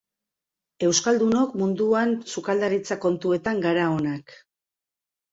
Euskaldunok munduan sukaldaritza kontuetan gara onak.